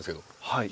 はい。